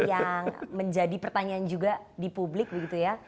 yang menjadi pertanyaan juga di publik begitu ya